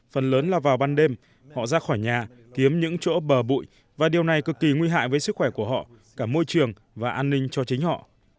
phần lớn là vào ban đêm họ ra khỏi nhà kiếm những chỗ bờ bụi và điều này cực kỳ nguy hại với sức khỏe của họ cả môi trường và an ninh cho chính họ